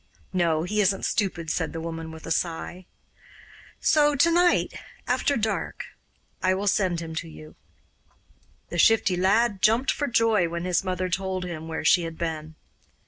'No, he isn't stupid,' said the woman with a sigh. 'So to night, after dark, I will send him to you.' The Shifty Lad jumped for joy when his mother told him where she had been.